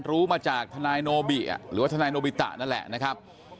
รู้มาจากทนายโนบิหรือว่าทนายโนบิตะนั่นแหละนะครับ